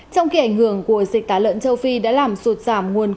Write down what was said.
trong kỳ ảnh hưởng của dịch tá lợn châu phi đã làm sụt giảm nguồn nước